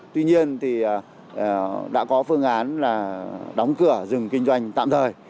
tuy nhiên thì đã có phương án là đóng cửa dừng kinh doanh tạm thời